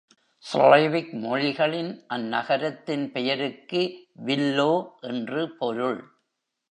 Slavic மொழிகளின் அந்நகரத்தின் பெயருக்கு “willow” என்று பொருள்.